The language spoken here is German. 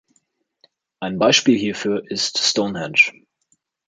Ein Beispiel hierfür ist Stonehenge.